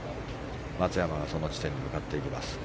松山がその地点に向かっていきます。